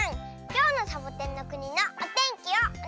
きょうのサボテンのくにのおてんきをおねがいします。